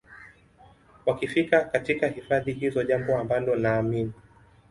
wakifika katika hifadhi hizo jambo ambalo naamini